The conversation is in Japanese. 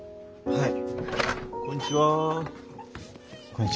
はい。